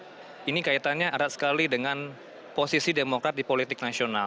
pasca pilkada dki kemarin ini kaitannya arat sekali dengan posisi demokrat di politik nasional